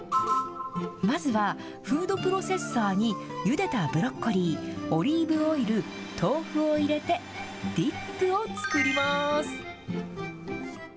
まずはフードプロセッサーにゆでたブロッコリー、オリーブオイル、豆腐を入れて、ディップを作ります。